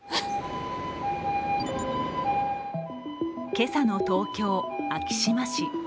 今朝の東京・昭島市。